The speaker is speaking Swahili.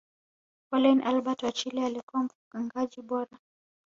frolian albert wa chile alikuwa mfungaji bora